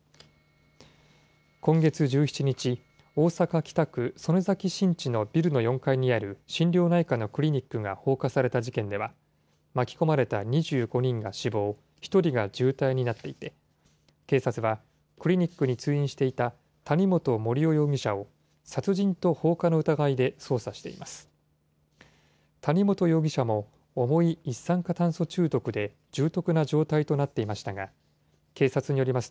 今月１７日、大阪・北区曽根崎新地のビルの４階にある心療内科のクリニックが放火された事件では、巻き込まれた２５人が死亡、１人が重体になっていて、警察は、クリニックに通院していた谷本盛雄容疑者を殺人と放火の疑いで捜査しています。